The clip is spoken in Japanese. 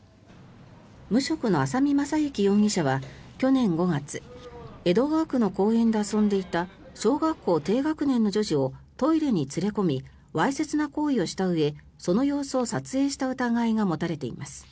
無職の浅見雅之容疑者は去年５月江戸川区の公園で遊んでいた小学校低学年の女児をトイレに連れ込みわいせつな行為をしたうえその様子を撮影した疑いが持たれています。